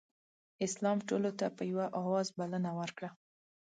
اسلام ټولو ته په یوه اواز بلنه ورکړه.